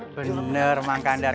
bener mang kandar